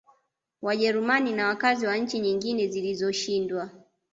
Wajerumani na wakazi wa nchi nyingine zilizoshindwa